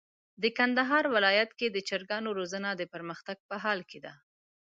د کندهار ولايت کي د چرګانو روزنه د پرمختګ په حال کي ده.